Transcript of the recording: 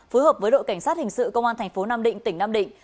phối hợp với đội cảnh sát hình sự công an thành phố nam định tỉnh nam định